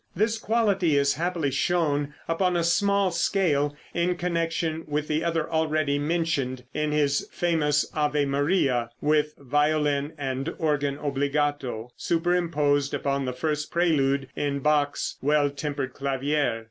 This quality is happily shown upon a small scale, in connection with the other already mentioned, in his famous "Ave Maria," with violin and organ obligato, superimposed upon the first prelude in Bach's "Well Tempered Clavier."